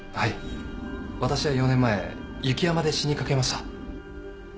私は４年前雪山で死にかけました。